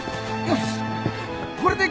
よし。